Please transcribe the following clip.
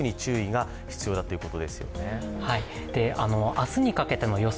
明日にかけての予想